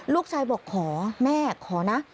ลูกชายบอกขอแม่ขอนะ